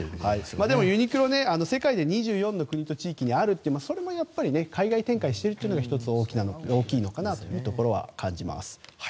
でも、ユニクロは世界で２４の国と地域にあるっていうそれもやっぱり海外展開しているというのが１つ大きいのかなというのは感じます。